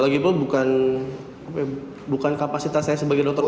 lagipun bukan kapasitas saya sebagai dokter umum